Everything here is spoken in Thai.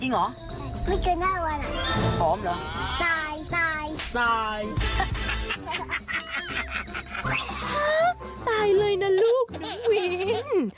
ฮ่าตายเลยนะลูกหนุ่มวิ้ง